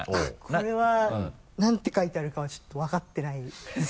これはなんて書いてあるかはちょっと分かってないです。